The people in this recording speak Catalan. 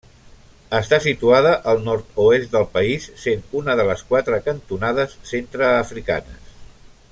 Està situada al nord-oest del país, sent una de les quatre cantonades centreafricanes.